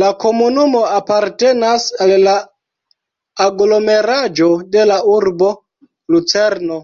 La komunumo apartenas al la aglomeraĵo de la urbo Lucerno.